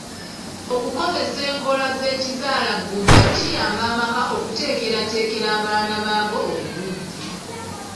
Okukozesa enkola z'ekizaalaggumba kiyamba amaka okuteekerateekera abaana baago obulungi.